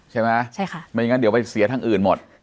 ใช่ไหมใช่ค่ะไม่อย่างนั้นเดี๋ยวไปเสียทางอื่นหมด